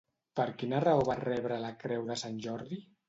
Per quina raó va rebre la Creu de Sant Jordi?